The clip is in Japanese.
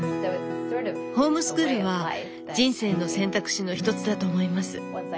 ホームスクールは人生の選択肢の一つだと思います。